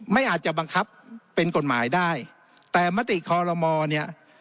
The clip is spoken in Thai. ไม่อาจจะบังคับเป็นกฎหมายได้แต่มติคอลโลมอเนี่ย